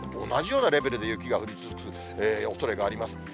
同じようなレベルで雪が降り続くおそれがあります。